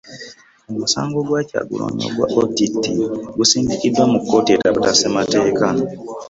Omusango gwa Kyagulanyi ogwa OTT gusindikiddwa mu kkooti etaputa ssemateeka